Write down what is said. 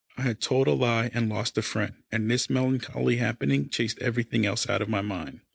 I had told a lie and lost a friend, and this melancholy happening chased everything else out of my mind.